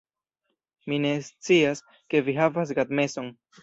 Mi ne scias, ke vi havas gadmeson